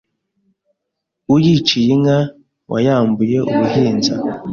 Uyiciye inka wayambuye umuhinza